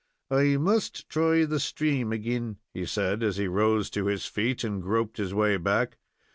"I must try the stream agin," he said, as he rose to his feet and groped his way back.